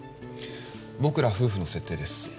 僕ら夫婦の設定です